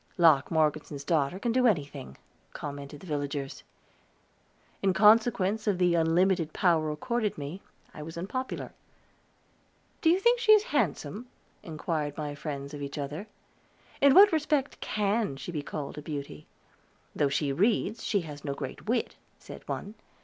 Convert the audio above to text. "Locke Morgeson's daughter can do anything," commented the villagers. In consequence of the unlimited power accorded me I was unpopular. "Do you think she is handsome?" inquired my friends of each other. "In what respect can she be called a beauty?" "Though she reads, she has no great wit," said one.